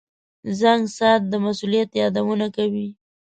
• زنګ ساعت د مسؤلیت یادونه کوي.